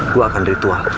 gue akan ritual